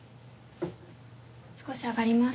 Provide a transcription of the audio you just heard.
少し上がります。